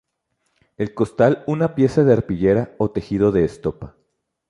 El costal una pieza de arpillera o tejido de estopa.